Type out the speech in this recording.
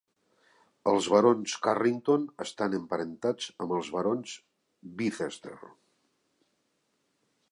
Els barons Carrington estan emparentats amb els barons Bicester.